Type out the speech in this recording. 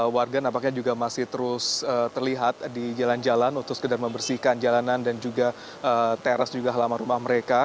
warga nampaknya juga masih terus terlihat di jalan jalan untuk sekedar membersihkan jalanan dan juga teras juga halaman rumah mereka